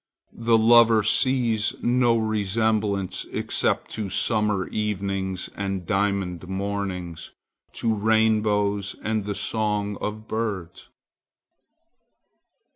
The lover sees no resemblance except to summer evenings and diamond mornings, to rainbows and the song of birds.